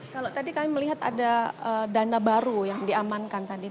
kalau tadi kami melihat ada dana baru yang diamankan tadi